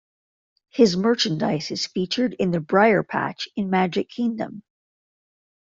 His merchandise is featured in the Briar Patch in Magic Kingdom.